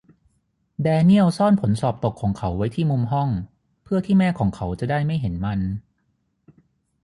แดเนียลซ่อนผลสอบตกของเขาไว้ที่มุมห้อง เพื่อที่แม่ของเขาจะได้ไม่เห็นมัน